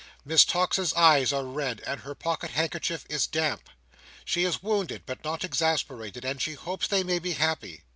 Miss Tox's eyes are red, and her pocket handkerchief is damp. She is wounded, but not exasperated, and she hopes they may be happy.